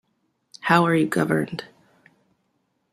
How are you governed?